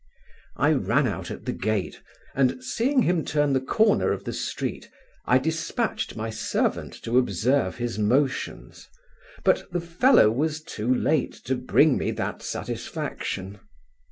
I ran out at the gate, and, seeing him turn the corner of the street, I dispatched my servant to observe his motions, but the fellow was too late to bring me that satisfaction.